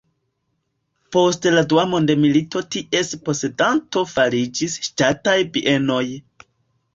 Post la dua mondmilito ties posedanto fariĝis Ŝtataj bienoj.